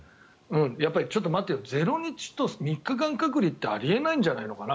ちょっと待てよ０日と３日間隔離ってあり得ないんじゃないのかな。